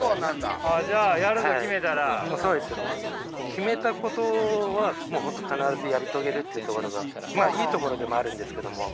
決めたことはもう本当必ずやり遂げるっていうところがまあいいところでもあるんですけども。